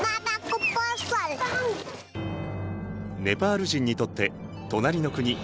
ネパール人にとって隣の国